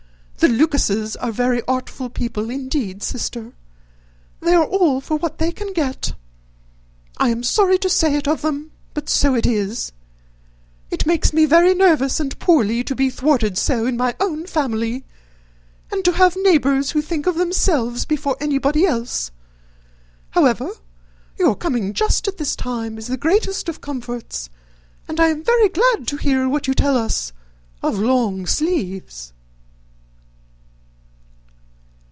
The Lucases are very artful people, indeed, sister. They are all for what they can get. I am sorry to say it of them, but so it is. It makes me very nervous and poorly, to be thwarted so in my own family, and to have neighbours who think of themselves before anybody else. However, your coming just at this time is the greatest of comforts, and I am very glad to hear what you tell us of long sleeves."